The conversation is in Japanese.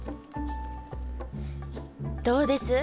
どうです？